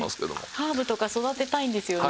ハーブとか育てたいんですよね。